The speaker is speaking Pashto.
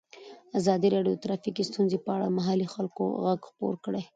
ازادي راډیو د ټرافیکي ستونزې په اړه د محلي خلکو غږ خپور کړی.